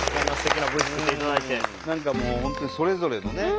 何かもう本当にそれぞれのね